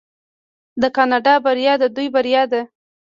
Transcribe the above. د کاناډا بریا د دوی بریا ده.